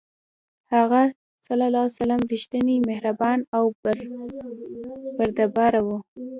هغه ﷺ رښتینی، مهربان او بردباره و.